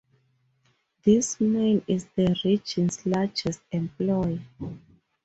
This mine is the region's largest employer.